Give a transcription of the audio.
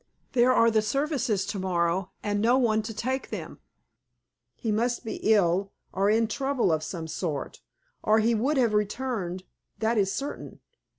There are the services to morrow, and no one to take them. He must be ill, or in trouble of some sort, or he would have returned, that is certain.